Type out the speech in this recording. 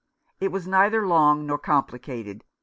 It was neither long nor complicated.